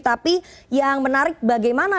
tapi yang menarik bagaimana